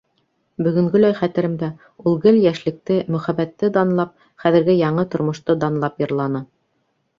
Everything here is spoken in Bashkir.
Бөгөнгөләй хәтеремдә, ул гел йәшлекте, мөхәббәтте данлап, хәҙерге яңы тормошто данлап йырланы...